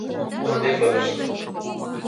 — Ынде пытышна!..